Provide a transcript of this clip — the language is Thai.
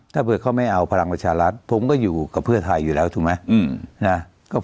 ถ้าเผื่อเขาไม่เอาพลังประชารัฐผมก็อยู่กับเพื่อไทยอยู่แล้วถูกไหม